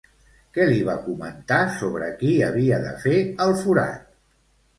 Què li va comentar sobre qui havia de fer el forat?